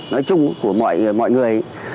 nói chung của mọi người